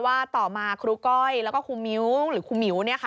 ต่อมาครูก้อยแล้วก็ครูมิ้วหรือครูมิ้ว